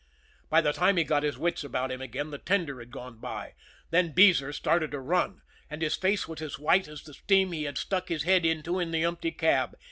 By the time he got his wits about him again the tender had gone by. Then Beezer started to run, and his face was as white as the steam he had stuck his head into in the empty cab.